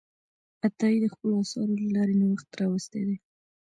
عطایي د خپلو اثارو له لارې نوښت راوستی دی.